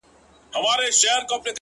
لونگيه دا خبره دې سهې ده _